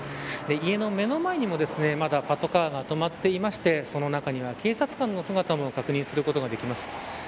家の目の前にもまだパトカーが止まっていてその中には、警察官の姿も確認することができます。